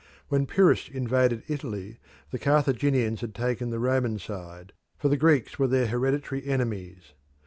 When Pyrrhus invaded Italy the Carthaginians had taken the Roman side, for the Greeks were their hereditary enemies.